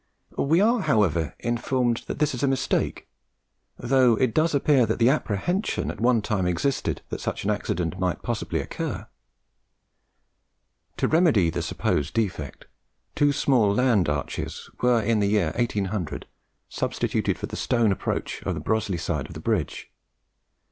We are, however, informed that this is a mistake, though it does appear that the apprehension at one time existed that such an accident might possibly occur. To remedy the supposed defect, two small land arches were, in the year 1800, substituted for the stone approach on the Broseley side of the bridge.